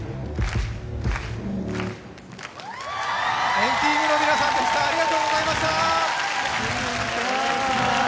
＆ＴＥＡＭの皆さんでした、ありがとうございました。